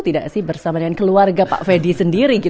tidak sih bersama dengan keluarga pak fedy sendiri